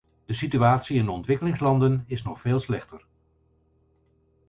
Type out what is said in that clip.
De situatie in de ontwikkelingslanden is nog veel slechter.